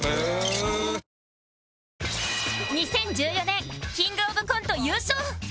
２０１４年キングオブコント優勝